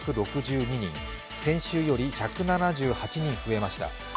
先週より１７８人増えました。